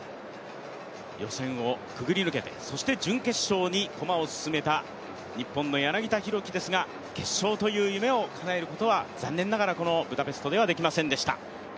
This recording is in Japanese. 予選をくぐり抜けて、そして準決勝に駒を進めた日本の柳田大輝でしたが決勝という夢をかなえることは残念ながら、このブダペストではできませんでした。